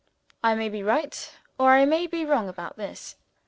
I may be right or I may be wrong about this.